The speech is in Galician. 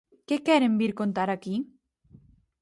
¿Que queren vir contar aquí?